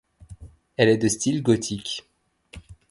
Elle est de style gothique.